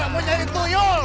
oh mau jadi tuyul